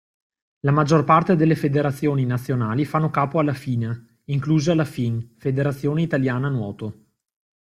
La maggior parte delle federazioni nazionali fanno capo alla FINA, inclusa la FIN (Federazione Italiana Nuoto).